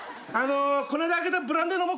この間開けたブランデー飲もうか。